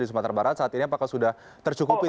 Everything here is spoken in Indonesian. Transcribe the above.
di sumatera barat saat ini apakah sudah tercukupi